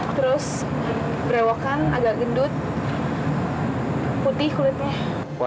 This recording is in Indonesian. terus berewokan agak gendut putih kulitnya